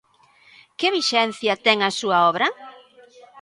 Que vixencia ten a súa obra?